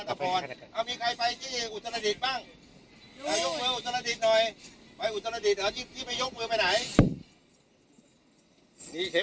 คนยังขึ้นมาไม่ครบ